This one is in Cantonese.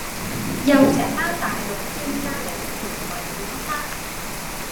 又成班大陸專家嚟全民檢測